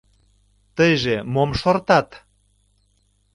Тыйже мом шортат?